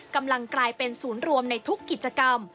กำลังกลายเป็นศูนย์รวมในทุกกิจกรรม